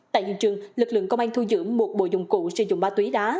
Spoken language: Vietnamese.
tại dự trường lực lượng công an thu dưỡng một bộ dụng cụ sử dụng ma túy đá